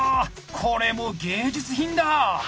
これもう芸術品だ！